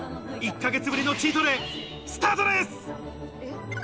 １ヶ月ぶりのチートデイ、スタートです！